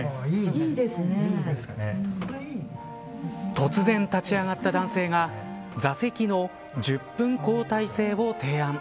突然、立ち上がった男性が座席の１０分交代制を提案。